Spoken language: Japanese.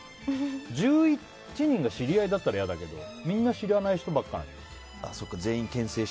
１１人が知り合いだったら嫌だけどみんな知らない人ばっかりでしょ。